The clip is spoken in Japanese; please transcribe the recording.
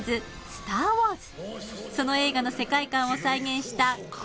スター・ウォーズ！